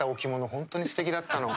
本当にすてきだったの。